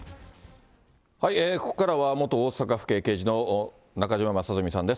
ここからは、元大阪府警刑事の中島正純さんです。